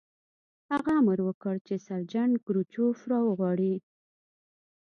هغه امر وکړ چې سرجنټ کروچکوف را وغواړئ